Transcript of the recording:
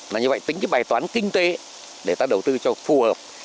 là như vậy tính cái bài toán kinh tế để ta đầu tư cho phù hợp